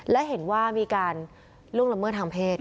และเห็นว่ามีการล่วงละเมิดทางเพศ